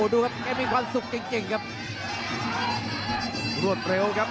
ดูครับแกมันมีความสุขเจ๋งเจ๋งครับรวดเร็วครับ